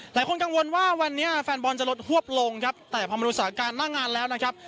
หลายคนกังวลว่าวันนี้แฟนบอลจะลดฮวบลงครับแต่พอมาดูสถานการณ์หน้างานแล้วนะครับ